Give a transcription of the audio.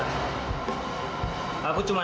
piringnya udah habis di sini sri